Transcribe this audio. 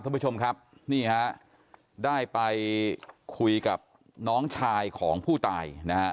ท่านผู้ชมครับนี่ฮะได้ไปคุยกับน้องชายของผู้ตายนะฮะ